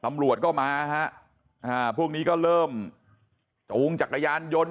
ปรับรวบเข้ามาฮะพวกนี้ก็เริ่มจุงจักรยานยนต์หนี